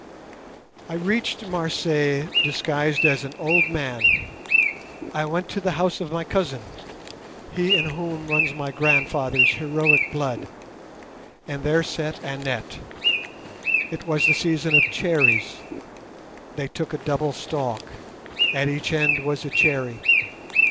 "I reached Marseilles disguised as an old man. I went to the house of my cousin—he in whom runs my grandfather's heroic blood—and there sat Annette. It was the season of cherries. They took a double stalk. At each end was a cherry.